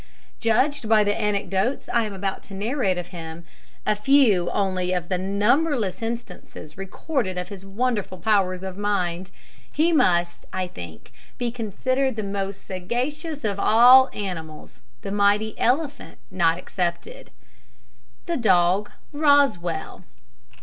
Judged by the anecdotes I am about to narrate of him a few only of the numberless instances recorded of his wonderful powers of mind he must, I think, be considered the most sagacious of all animals, the mighty elephant not excepted. THE DOG ROSSWELL.